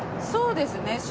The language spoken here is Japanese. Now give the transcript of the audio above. そうですね